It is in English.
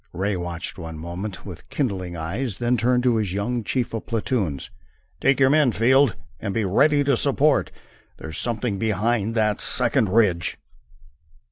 Ray watched one moment, with kindling eyes, then turned to his young chief of platoons: "Take your men, Field, and be ready to support. There's something behind that second ridge!"